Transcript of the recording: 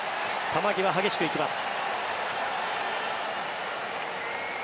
球際、激しく行きます。